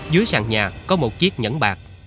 dưới sàn nhà có một chiếc nhẫn bạc